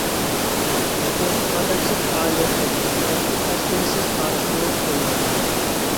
خۇددى ئادەمسىز پائالىيەت بولمىغاندەك، ئەسلىمسىز تارىخمۇ بولمايدۇ.